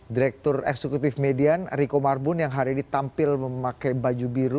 direktur eksekutif median riko marbun yang hari ini tampil memakai baju biru